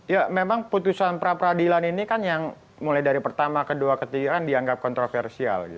ya memang putusan pra peradilan ini kan yang mulai dari pertama kedua ketiga kan dianggap kontroversial